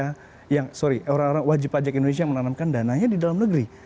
deklarasi dari orang orang indonesia yang menanamkan dananya di dalam negeri